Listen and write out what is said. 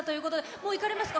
もう行かれますか？